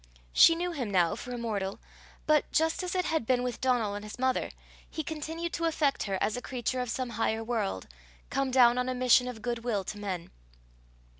She knew him now for a mortal, but, just as it had been with Donal and his mother, he continued to affect her as a creature of some higher world, come down on a mission of good will to men.